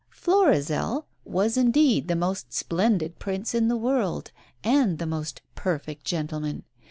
"Florizel" was indeed the most splendid Prince in the world, and the most "perfect gentleman."